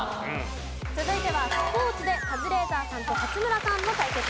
続いてはスポーツでカズレーザーさんと勝村さんの対決です。